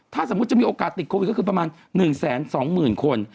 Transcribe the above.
ถ้าสมมุติจะมีโอกาสติดโควิดก็คือประมาณ๑๒๐๐๐คน